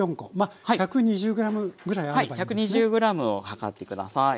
１２０ｇを量って下さい。